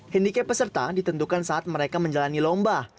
handicap peserta ditentukan saat mereka menjalani lomba